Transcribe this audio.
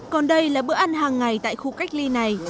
còn đây là bữa ăn hàng ngày tại khu cách ly này